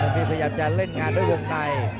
นี่พยายามจะเล่นงานด้วยวงใน